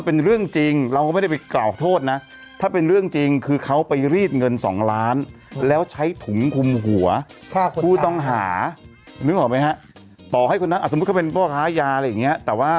พี่เจนนี่หน้าเขาว่านว่ะ